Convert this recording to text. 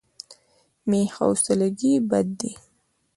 بې حوصلګي بد دی.